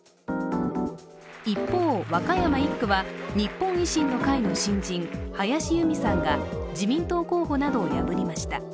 一方、和歌山１区は日本維新の会の新人林佑美さんが自民党候補などを破りました。